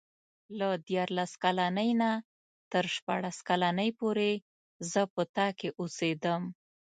له دیارلس کلنۍ نه تر شپاړس کلنۍ پورې زه په تا کې اوسېدم.